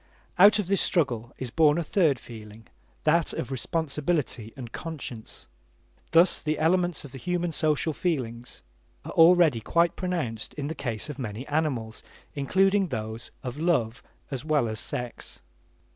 Out of this struggle is born a third feeling, that of responsibility and conscience. Thus the elements of the human social feelings are already quite pronounced in the case of many animals, including those of love as well as sex.